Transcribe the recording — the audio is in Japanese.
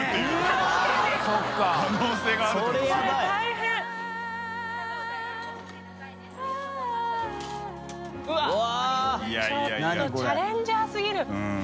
ちょっとチャレンジャーすぎる。